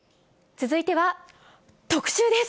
続いては特集です。